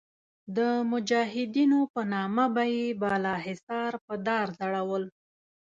د مجاهدینو په نامه به یې بالاحصار په دار ځړول.